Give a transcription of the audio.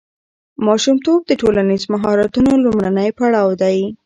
ماشومتوب د ټولنیز مهارتونو لومړنی پړاو دی.